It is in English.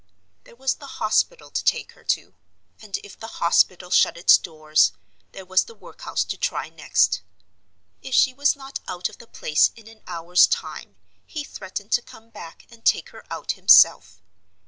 There was the hospital to take her to; and if the hospital shut its doors, there was the workhouse to try next. If she was not out of the place in an hour's time, he threatened to come back and take her out himself.